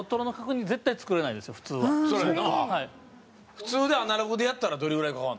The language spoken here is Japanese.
普通でアナログでやったらどれぐらいかかるの？